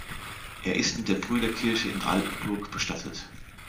Er ist in der Brüderkirche in Altenburg bestattet.